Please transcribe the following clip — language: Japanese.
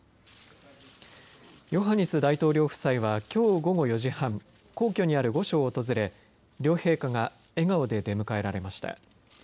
ヨハニス大統領夫妻はきょう午後４時半皇居にある御所を訪れ両陛下が笑顔で出迎えられました。